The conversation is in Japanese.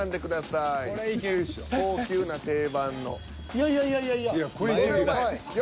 いやいやいやいやいや。